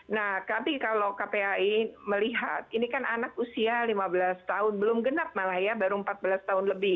nah tapi kalau kpai melihat ini kan anak usia lima belas tahun belum genap malah ya baru empat belas tahun lebih